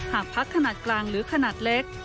หากพักขนาดกลางหรือขนาดเล็ก